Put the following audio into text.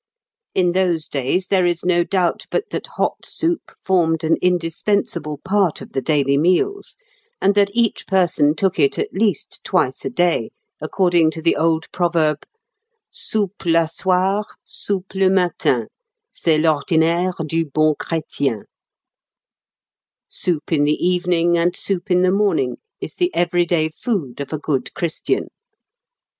In those days there is no doubt but that hot soup formed an indispensable part of the daily meals, and that each person took it at least twice a day, according to the old proverb: "Soupe la soir, soupe le matin, C'est l'ordinaire du bon chrétien." ("Soup in the evening, and soup in the morning, Is the everyday food of a good Christian.")